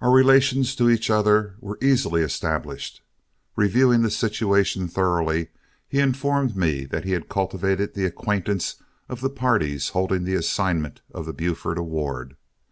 Our relations to each other were easily established. Reviewing the situation thoroughly, he informed me that he had cultivated the acquaintance of the parties holding the assignment of the Buford award.